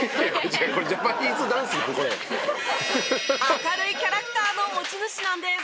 明るいキャラクターの持ち主なんです。